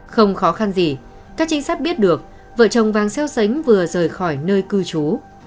không khó khăn gì các trinh sát biết được vợ chồng vàng xeo xánh vừa rời khỏi nơi cư trú